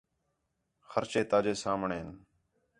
خرچے تا جے سامھݨے ہِن